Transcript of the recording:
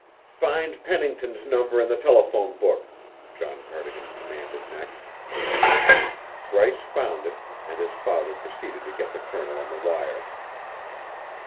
"Find Pennington's number in the telephone book," John Cardigan commanded next. Bryce found it, and his father proceeded to get the Colonel on the wire.